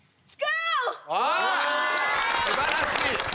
すばらしい！